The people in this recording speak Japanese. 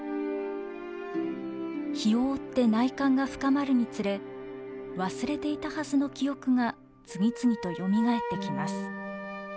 日を追って内観が深まるにつれ忘れていたはずの記憶が次々とよみがえってきます。